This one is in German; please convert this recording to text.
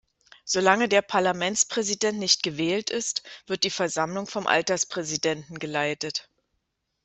Solange der Parlamentspräsident nicht gewählt ist, wird die Versammlung vom Alterspräsidenten geleitet.